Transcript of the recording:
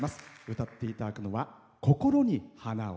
歌っていただくのは「こころに花を」。